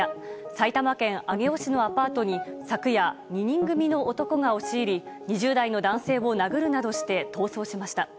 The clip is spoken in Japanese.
埼玉県上尾市のアパートに昨夜、２人組の男が押し入り２０代の男性を殴るなどして逃走しました。